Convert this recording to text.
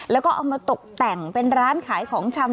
แล้วก็เอามาตกแต่งเป็นร้านขายของชำ